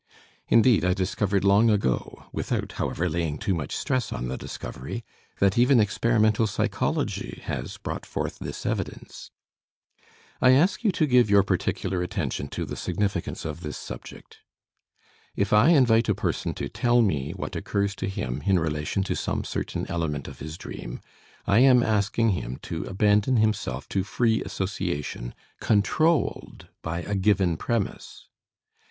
Indeed, I discovered long ago without, however, laying too much stress on the discovery that even experimental psychology has brought forth this evidence. I ask you to give your particular attention to the significance of this subject. If I invite a person to tell me what occurs to him in relation to some certain element of his dream I am asking him to abandon himself to free association, controlled by a given premise.